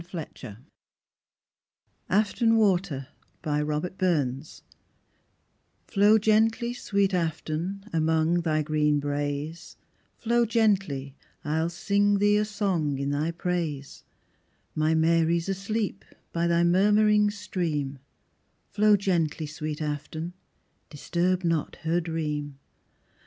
Clough AFTON WATER Flow gently, sweet Afton, among thy green braes, Flow gently, I'll sing thee a song in thy praise: My Mary's asleep by thy murmuring stream, Flow gently, sweet Afton, disturb not her dream.